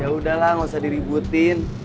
ya udahlah nggak usah diributin